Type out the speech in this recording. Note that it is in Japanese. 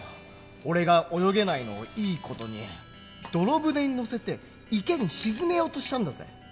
俺が泳げないのをいい事に泥舟に乗せて池に沈めようとしたんだぜ。